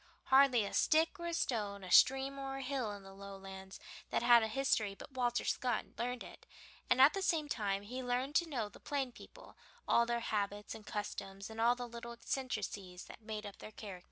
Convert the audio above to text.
Hardly a stick or a stone, a stream or a hill in the Lowlands that had a history but Walter Scott learned it, and at the same time he learned to know the plain people, all their habits and customs, and all the little eccentricities that made up their characters.